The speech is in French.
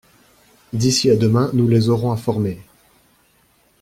D’ici à demain nous les aurons informées.